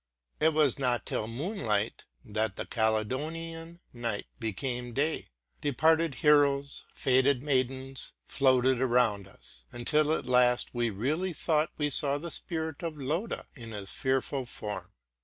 It was not till moonlight that the Caledonian night became day: departed heroes, faded maid ens, floated around us, until at last we really thought we saw the spirit of Loda in his fearful form.